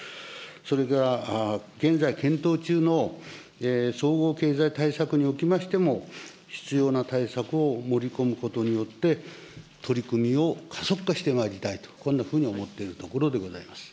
それから現在検討中の総合経済対策におきましても、必要な対策を盛り込むことによって、取り組みを加速化してまいりたいと、こんなふうに思っておるところであります。